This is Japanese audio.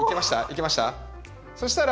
いけました？